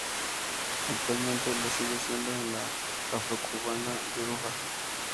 Actualmente, lo sigue siendo en la afrocubana yoruba.